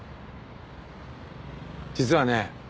実はね